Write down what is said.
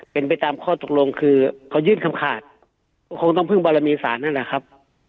เป็นไปตามข้อตกลงคือเขายื่นคำขาดก็คงต้องพึ่งบารมีสารนั่นแหละครับ